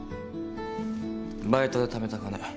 バイトでためた金。